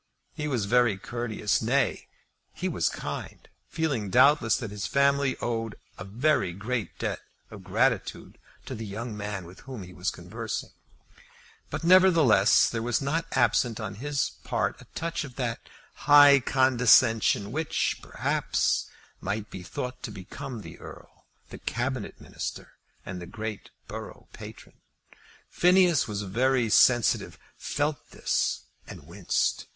He was very courteous, nay, he was kind, feeling doubtless that his family owed a great debt of gratitude to the young man with whom he was conversing; but, nevertheless, there was not absent on his part a touch of that high condescension which, perhaps, might be thought to become the Earl, the Cabinet Minister, and the great borough patron. Phineas, who was sensitive, felt this and winced.